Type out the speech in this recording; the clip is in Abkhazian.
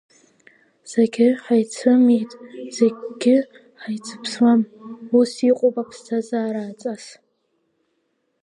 Зегь ҳаицымиит, зегьгьы ҳаицыԥсуам, ус иҟоуп аԥсҭазаара аҵас!